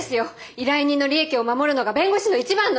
依頼人の利益を守るのが弁護士の一番の。